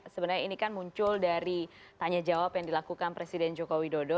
sebenarnya ini kan muncul dari tanya jawab yang dilakukan presiden joko widodo